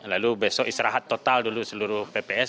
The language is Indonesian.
lalu besok istirahat total dulu seluruh pps